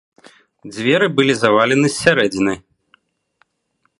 Дзверы былі завалены з сярэдзіны.